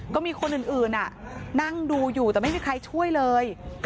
ก็มีคนอื่นนั่งดูอยู่แต่ไม่มีใครช่วยเลย